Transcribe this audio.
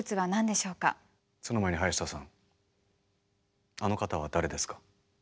その前に林田さんあの方は誰ですか？